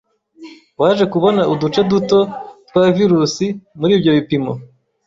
waje kubona uduce duto twa virusi muri ibyo bipimo,